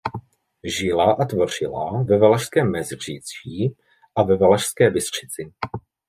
Žila a tvořila ve Valašském Meziříčí a ve Valašské Bystřici.